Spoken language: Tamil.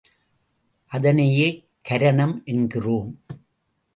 அதனையே கரணம் என்கிறோம்.